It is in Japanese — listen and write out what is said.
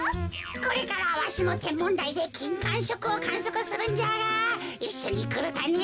これからわしのてんもんだいできんかんしょくをかんそくするんじゃがいっしょにくるかね？